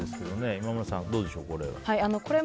今村さん、どうでしょうこれ。